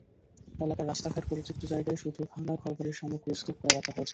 এলাকার রাস্তাঘাট, পরিত্যক্ত জায়গায় শুধু ভাঙা ঘরবাড়ির সামগ্রী স্তূপ করে রাখা হয়েছে।